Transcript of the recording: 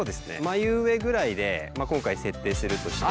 眉上ぐらいで今回設定するとして。